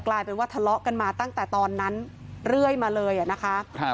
กลายเป็นว่าทะเลาะกันมาตั้งแต่ตอนนั้นเรื่อยมาเลยอะนะคะ